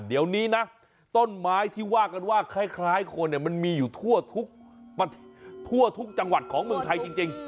เดี๋ยวนี้นะต้นไม้ที่ว่ากันว่าคล้ายคนมันมีอยู่ทั่วทุกทั่วทุกจังหวัดของเมืองไทยจริง